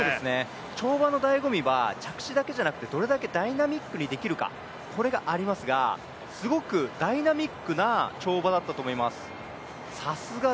跳馬のだいご味は着地だけでなくてどれだけダイナミックにできるかこれがありますが、すごくダイナミックな跳馬だったと思います。